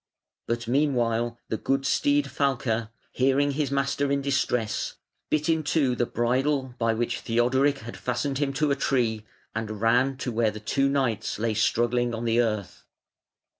But meanwhile the good steed Falke, hearing his master in distress, bit in two the bridle by which Theodoric had fastened him to a tree, and ran to where the two knights lay struggling on the earth.